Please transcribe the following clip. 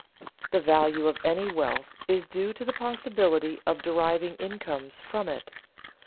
The value of any wealth is due to the possibility of deriving incomes from it.